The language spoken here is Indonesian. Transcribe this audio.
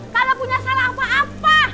kalau punya salah apa apa